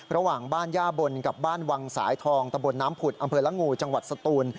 ระหว่างบ้านย่าบนกับบ้านวังสายทองตะบนน้ำผุดอำเภอละงูจังหวัดสตูน